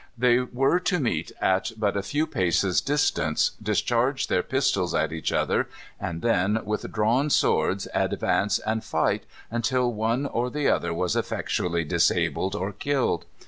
They were to meet at but a few paces distance, discharge their pistols at each other, and then, with drawn swords, advance and fight until one or the other was effectually disabled or killed.